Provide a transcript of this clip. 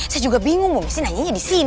saya juga bingung bu besi nanyanya di sini